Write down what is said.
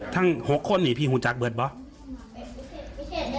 ทั้ง๖คนพี่ฮุนจักรเบิร์ดหรือเปล่า